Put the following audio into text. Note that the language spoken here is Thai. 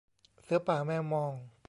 เสือป่าแมวมอง